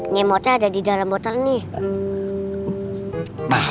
nyemotnya ada di dalam botol nih